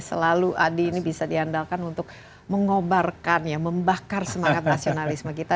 selalu adi ini bisa diandalkan untuk mengobarkan ya membakar semangat nasionalisme kita